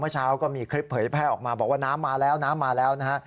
เช้าก็มีคลิปเผยแพร่ออกมาบอกว่าน้ำมาแล้วน้ำมาแล้วนะฮะ